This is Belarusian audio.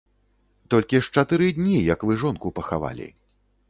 Толькі ж чатыры дні, як вы жонку пахавалі.